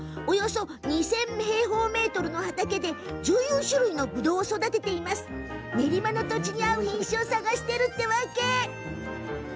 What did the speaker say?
およそ２０００平方メートルの畑で１４種類のぶどうを育てて練馬の土地に合う品種を探しています。